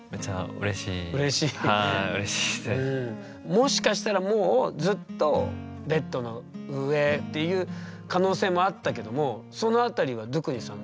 もしかしたらもうずっとベッドの上っていう可能性もあったけどもそのあたりはドゥクニさんはどう捉えてたんですか？